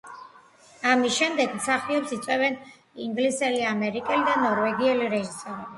ამის შემდეგ მსახიობს იწვევენ ინგლისელი, ამერიკელი და ნორვეგიელი რეჟისორები.